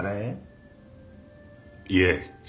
いえ。